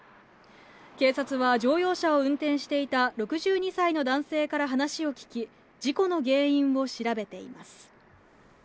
警察は乗用車を運転していた６２歳の男性から話を聴き、事故の原因を調べています。